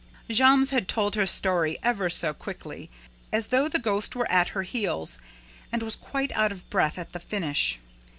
Jammes had told her story ever so quickly, as though the ghost were at her heels, and was quite out of breath at the finish.